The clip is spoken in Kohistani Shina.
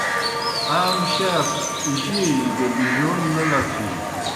آ مُشاس جیئے جیْ گہ بِجَون نہ لڇِھینوْ۔